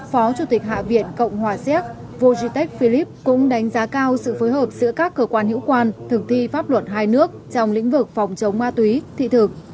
phó chủ tịch hạ viện cộng hòa xéc vojitech philip cũng đánh giá cao sự phối hợp giữa các cơ quan hữu quan thực thi pháp luật hai nước trong lĩnh vực phòng chống ma túy thị thực